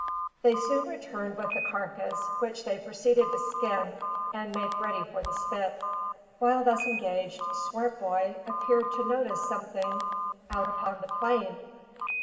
They soon returned with the carcass, which they proceeded to skin and make ready for the spit. While thus engaged, Swartboy appeared to notice some thing out upon the plain.